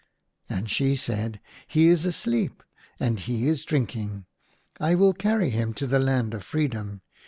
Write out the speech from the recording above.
And she said, "He is asleep, and he is drinking ! I will carry him to the Land of Freedom.